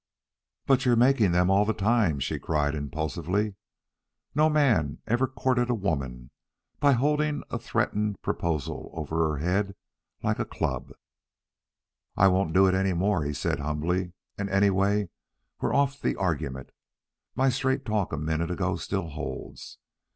"But you're making them all the time," she cried impulsively. "No man ever courted a woman by holding a threatened proposal over her head like a club." "I won't do it any more," he said humbly. "And anyway, we're off the argument. My straight talk a minute ago still holds.